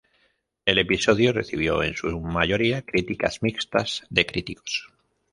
El episodio recibió en su mayoría críticas mixtas de críticos.